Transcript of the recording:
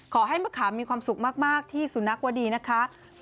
มะขามมีความสุขมากที่สุนัขวดีนะคะ